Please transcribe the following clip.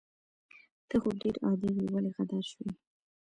ته خو ډير عادي وي ولې غدار شوي